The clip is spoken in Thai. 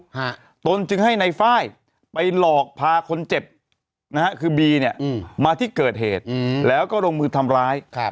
ฮะตนจึงให้ในไฟล์ไปหลอกพาคนเจ็บนะฮะคือบีเนี่ยอืมมาที่เกิดเหตุอืมแล้วก็ลงมือทำร้ายครับ